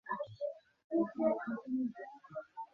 তুমি ওকে ভালো করে বুঝিয়ে দিও।